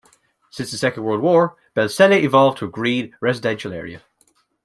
Since the second world war, Belsele evolved to a green, residential area.